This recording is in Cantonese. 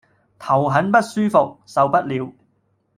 頭很不舒服，受不了